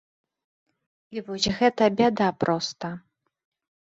І вось гэта бяда проста.